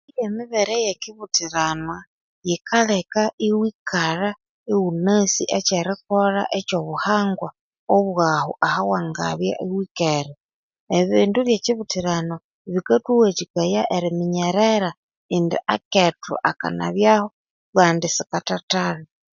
Emibere yekibuthiranwa yikaleka iwikalha ighunasi ekyerikolha ekyo buhangwa ekyaghu ahawangabya ighukere ebindu byekyibuthiranwa bikathuwathikaya eriminyerera indi akethu akanabyaho kandi sikathathalha